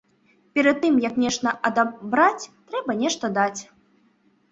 Перад тым, як нешта адабраць, трэба нешта даць.